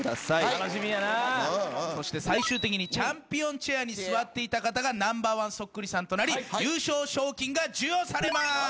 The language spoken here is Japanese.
そして最終的にチャンピオンチェアに座っていた方がＮｏ．１そっくりさんとなり優勝賞金が授与されまーす！